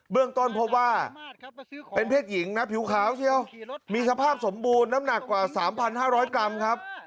เรื่องต้นพบว่าเป็นเพศหญิงนะผิวขาวเชียวมีสภาพสมบูรณ์น้ำหนักกว่า๓๕๐๐กรัมครับ